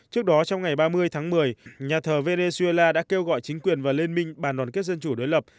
trước đó trong ngày ba mươi tháng một mươi nhà thờ venezuela đã kêu gọi chính quyền và liên minh bàn đoàn kết dân chủ đối lập